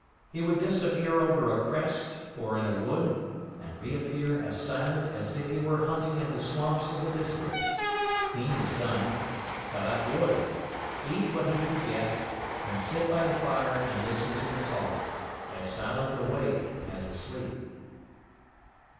He would disappear over a crest, or in a wood, and reappear as silent as if he were hunting in the swamps of the district; clean his gun; cut up wood; eat what he could get, and sit by the fire and listen to the talk, as silent awake as asleep.